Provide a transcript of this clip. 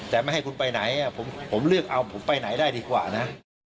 แต่ไม่ให้คุณไปไหนผมเลือกเอาผมไปไหนได้ดีกว่านะ